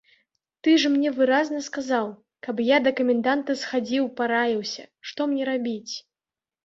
Ты ж мне выразна сказаў, каб я да каменданта схадзіў параіўся, што мне рабіць.